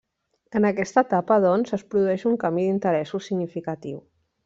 En aquesta etapa, doncs, es produeix un canvi d'interessos significatiu.